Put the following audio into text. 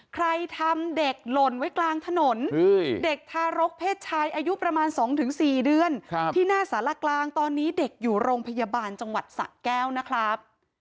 ใครทำเด็กหล่นไว้กลางถนนเด็กทารกเพศชายอายุประมาณ๒๔เดือนที่หน้าสารกลางตอนนี้เด็กอยู่โรงพยาบาลจังหวัดสะแก้วนะครับ